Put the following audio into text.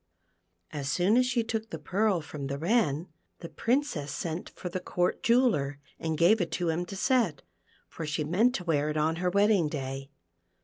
As soon as she took the pearl from the Wren, the Princess sent for the Court jeweller, and gave it*to him to set, for she meant to wear it on her wedding day.